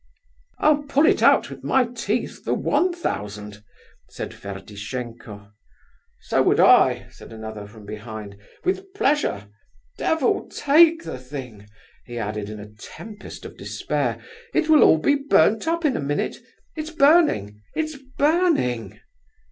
"I'll pull it out with my teeth for one thousand," said Ferdishenko. "So would I," said another, from behind, "with pleasure. Devil take the thing!" he added, in a tempest of despair, "it will all be burnt up in a minute—It's burning, it's burning!"